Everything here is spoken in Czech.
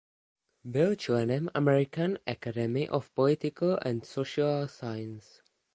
Byl členem American Academy of Political and Social Science.